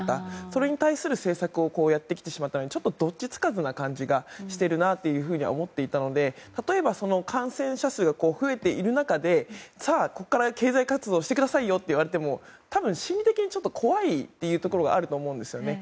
それに対する政策をやってきてしまったのでちょっと、どっちつかずな感じがしているなと思っていたので例えば感染者数が増えている中でさあ、ここから経済活動してくださいよと言われても多分、心理的に怖いというところがあると思うんですね。